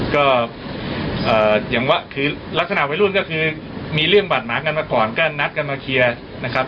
ก็อย่างว่าคือลักษณะวัยรุ่นก็คือมีเรื่องบาดหมากันมาก่อนก็นัดกันมาเคลียร์นะครับ